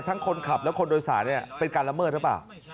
คนขับและคนโดยสารเป็นการละเมิดหรือเปล่า